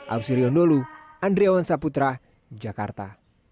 ausri ondolu andriawan saputra jakarta